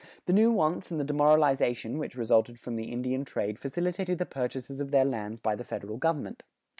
The new wants and the demoralization which resulted from the Indian trade facilitated the purchases of their lands by the federal government.